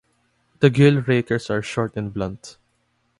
The gill rakers are short and blunt.